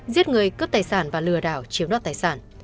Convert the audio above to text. giết người cướp tài sản và lừa đảo chiếm đoạt tài sản